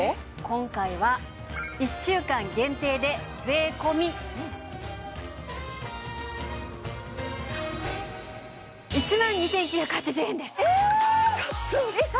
今回は１週間限定で税込１万２９８０円ですえちょっと！